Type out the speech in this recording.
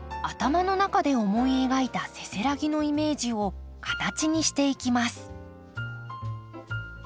頭の中で思い描いたせせらぎのイメージを形にしていきます。